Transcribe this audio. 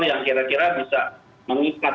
yang kira kira bisa mengikat